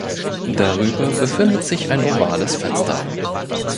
Darüber befindet sich ein ovales Fenster.